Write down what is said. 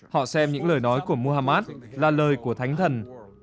họ xem những lời nói của mohammad là lời của thánh thần